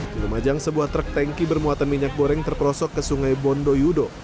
di lumajang sebuah truk tanki bermuatan minyak goreng terperosok ke sungai bondoyudo